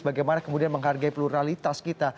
bagaimana kemudian menghargai pluralitas kita